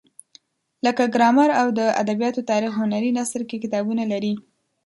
لکه ګرامر او د ادبیاتو تاریخ هنري نثر کې کتابونه لري.